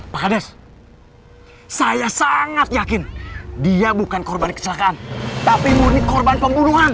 pak hadas saya sangat yakin dia bukan korban kecelakaan tapi murni korban pembunuhan